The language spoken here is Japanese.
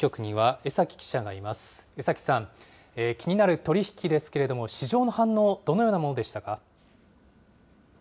江崎さん、気になる取り引きですけれども、市場の反応、どのようなものでしたか？